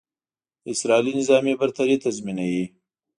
د اسرائیلو نظامي برتري تضیمنوي.